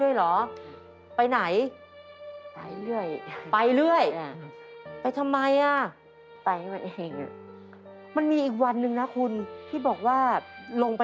ยายเล็กปีนี้กี่ขวบ